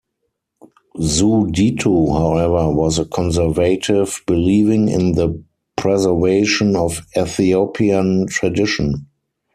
Zewditu, however, was a conservative, believing in the preservation of Ethiopian tradition.